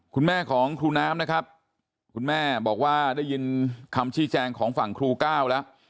คุณแม่ของครูน้ำนะครับคุณแม่บอกว่าได้ยินคำชี้แจงของฝั่งครูก้าวแล้ว